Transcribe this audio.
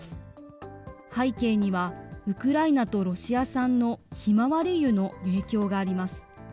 背景には、ウクライナとロシア産のひまわり油の影響があります。